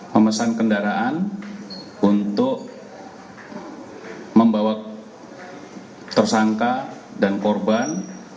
memesan kendaraan untuk membawa tersangka dan korban